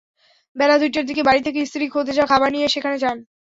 বেলা দুইটার দিকে বাড়ি থেকে স্ত্রী খোদেজা খাবার নিয়ে সেখানে যান।